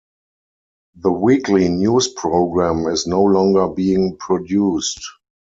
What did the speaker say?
The weekly news program is no longer being produced.